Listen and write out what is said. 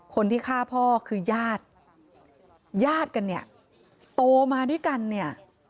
คนที่ฆ่าพ่อคือญาติญาติกันเนี่ยโตมาด้วยกันเนี่ย